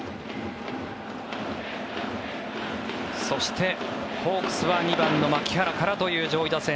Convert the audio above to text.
そして、ホークスは２番の牧原からという上位打線。